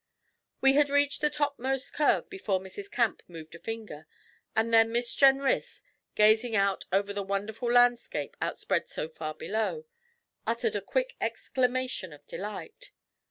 We had reached the topmost curve before Mrs. Camp moved a finger, and then Miss Jenrys, gazing out over the wonderful landscape outspread so far below, uttered a quick exclamation of delight.